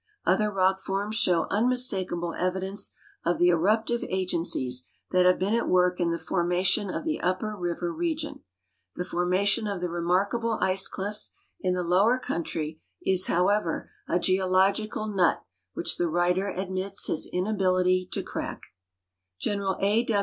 Other rock forms show unmistakable evidence of the eruptive agencies that have been at work in the formation of the upper river region. The formation of the remarkable ice cliffs in the lower country is, however, a geological nut which the writer admits his inability to crack. General A.